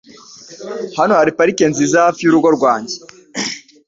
Hano hari parike nziza hafi yurugo rwanjye.